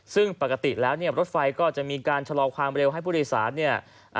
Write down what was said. ซึ่งปกติแล้วเนี่ยรถไฟก็จะมีการชะลอความเร็วให้ผู้โดยสารเนี่ย